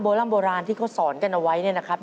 ร่ำโบราณที่เขาสอนกันเอาไว้เนี่ยนะครับ